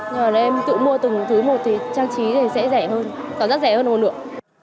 nhưng mà em tự mua từng thứ một thì trang trí thì sẽ rẻ hơn có rất rẻ hơn hồn lượng